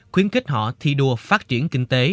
khuyến kích họ thi đua phát triển kinh tế